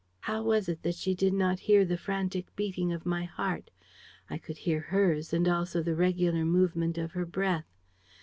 How was it that she did not hear the frantic beating of my heart? I could hear hers and also the regular movement of her breath.